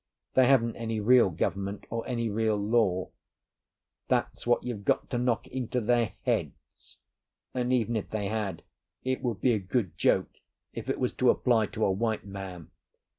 They haven't any real government or any real law, that's what you've got to knock into their heads; and even if they had, it would be a good joke if it was to apply to a white man.